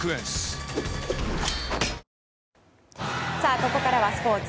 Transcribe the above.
ここからはスポーツ。